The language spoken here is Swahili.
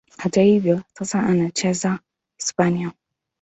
Hata hivyo, sasa anacheza Hispania.